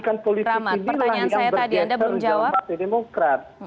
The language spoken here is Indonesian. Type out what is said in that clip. jadi lagi yang berketer jawab pak sedi mokrad